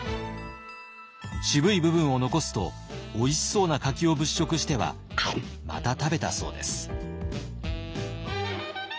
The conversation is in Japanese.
渋い部分を残すとおいしそうな柿を物色してはまた食べたそうです。